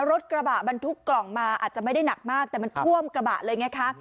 รถบรรทุกกล่องมาอาจจะไม่ได้หนักมากแต่มันท่วมกระบะเลยไงคะ